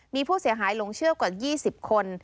มีผู้เสียหายหลงเชื่อกว่า๒๐คน